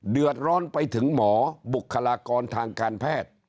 เดือดร้อนไปถึงหมอบุคลากรทางการแพทย์